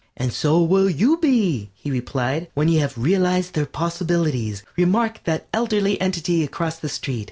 "And so will you be," he replied, "when you have realized their possibilities. Remark that elderly entity across the street.